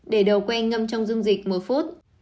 để đầu que ngâm trong dung dịch một phút